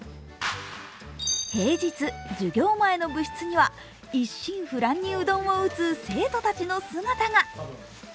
平日、授業前の部室には一心不乱にうどんを打つ生徒たちの姿が。